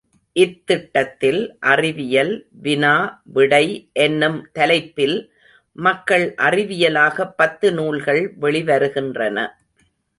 இத்திட்டத்தில் அறிவியல் வினா விடை என்னும் தலைப்பில் மக்கள் அறிவியலாக பத்து நூல்கள் வெளிவருகின்றன.